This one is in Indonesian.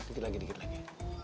dikit lagi dikit lagi